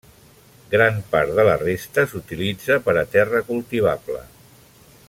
Gran part de la resta s'utilitza per a terra cultivable.